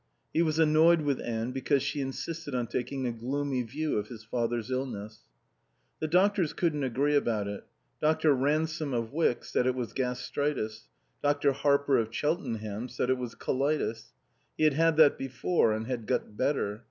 He was annoyed with Anne because she insisted on taking a gloomy view of his father's illness. The doctors couldn't agree about it. Dr. Ransome of Wyck said it was gastritis. Dr. Harper of Cheltenham said it was colitis. He had had that before and had got better.